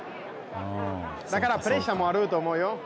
だからプレッシャーもあると思うよ。